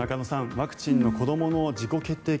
ワクチンの子どもの自己決定権